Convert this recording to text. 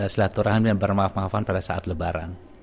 silaturahmi dan bermaaf maafan pada saat lebaran